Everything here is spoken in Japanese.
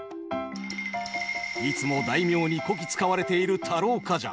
いつも大名にこき使われている太郎冠者